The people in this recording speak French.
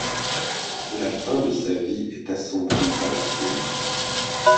La fin de sa vie est assombrie par la folie.